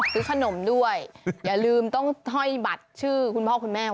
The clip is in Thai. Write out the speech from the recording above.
ซื้อขนมด้วยอย่าลืมต้องห้อยบัตรชื่อคุณพ่อคุณแม่ไว้